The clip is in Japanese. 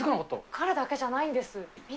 彼だけじゃないんです。